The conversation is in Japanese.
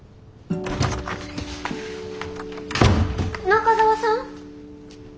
中澤さん？